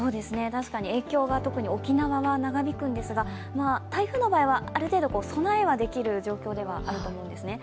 確かに影響が、特に沖縄は長引くんですが、台風の場合はある程度備えはできる状況ではあると思うんですね。